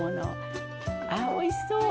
ああおいしそう！